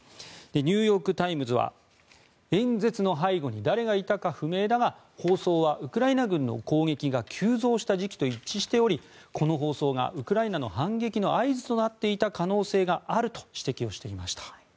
ニューヨーク・タイムズは演説の背後に誰がいたか不明だが放送はウクライナ軍の攻撃が急増した時期と一致しておりこの放送がウクライナの反撃の合図となっていた可能性があると指摘をしていました。